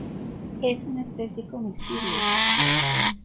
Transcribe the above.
Es una especie comestible.